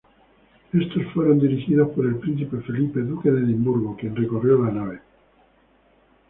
Estos fueron dirigidos por el Príncipe Felipe, Duque de Edimburgo, quien recorrió la nave.